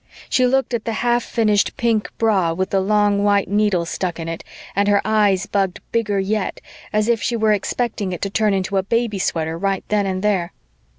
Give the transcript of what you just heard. She looked at the half finished pink bra with the long white needles stuck in it and her eyes bugged bigger yet, as if she were expecting it to turn into a baby sweater right then and there.